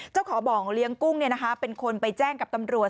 เจ้าของบ่องเลี้ยงกุ้งเป็นคนไปแจ้งกับตำรวจ